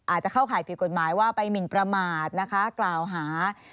เข้าข่ายผิดกฎหมายว่าไปหมินประมาทนะคะกล่าวหา